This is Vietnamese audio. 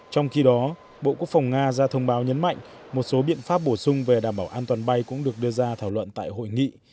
trong khi đó bộ quốc phòng nga ra thông báo nhấn mạnh một số biện pháp bổ sung về đảm bảo an toàn bay cũng được đưa ra thảo luận tại hội nghị